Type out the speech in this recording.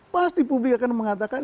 pasti publik akan mengatakan